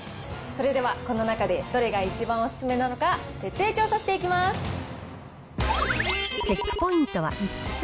それではこの中でどれが一番お勧めなのか、チェックポイントは５つ。